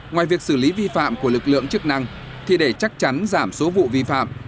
ngoài việc xử lý vi phạm của lực lượng chức năng thì để chắc chắn giảm số vụ vi phạm